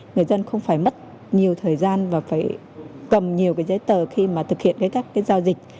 người dân không phải mất nhiều thời gian và phải cầm nhiều cái giấy tờ khi mà thực hiện các giao dịch